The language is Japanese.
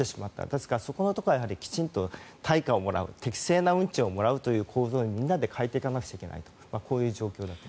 だから、そこのところはきちんと対価をもらう適正な運賃をもらうという構造にみんなで変えていかなくちゃいけない状況だと。